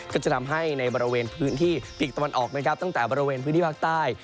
ก็จะทำให้ในบริเวณพื้นที่ปีกตะวันออกนะครับตั้งแต่บริเวณพื้นที่ภาคใต้